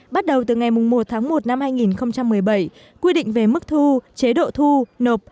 bắt đầu từ ngày một tháng một năm hai nghìn một mươi bảy quy định về mức thu chế độ thu nộp